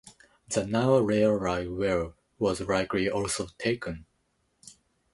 The now rare right whale was likely also taken.